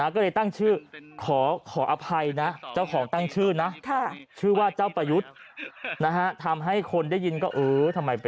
ก็เลยตั้งชื่อขออภัยนะ